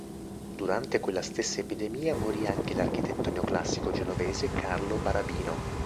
Durante quella stessa epidemia morì anche l'architetto neoclassico genovese Carlo Barabino.